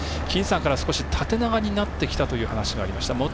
金さんから縦長になってきたという話がありました。